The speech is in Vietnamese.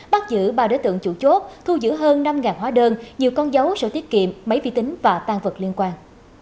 bắt giữ ba đối tượng chủ chốt thu giữ hơn năm hóa đơn nhiều con dấu sổ tiết kiệm máy vi tính và tan vật liên quan